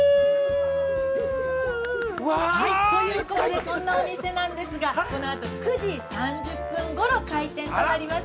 ◆ということで、こんなお店なんですが、このあと、９時３０分ごろ開店となります。